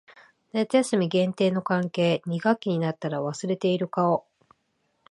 夏休み限定の関係。二学期になったら忘れている顔。